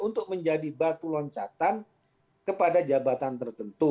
untuk menjadi batu loncatan kepada jabatan tertentu